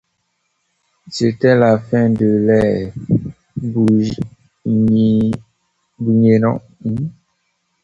C'était la fin de l'ère bourguignonne et de la lutte pour l'indépendance du duché.